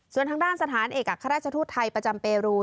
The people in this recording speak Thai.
ส่วนทางด้านสถานเอกอัครราชทูตไทยประจำเปรู